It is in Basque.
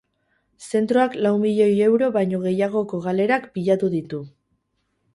Zentroak lau milioi euro baino gehiagoko galerak pilatu ditu.